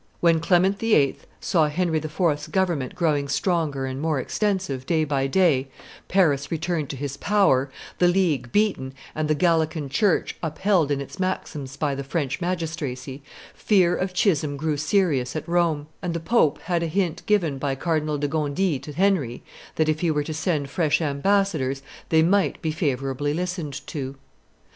When Clement VIII. saw Henry IV.'s government growing stronger and more extensive day by day, Paris returned to his power, the League beaten and the Gallican church upheld in its maxims by the French magistracy, fear of schism grew serious at Rome, and the pope had a hint given by Cardinal de Gondi to Henry that, if he were to send fresh ambassadors, they might be favorably listened to.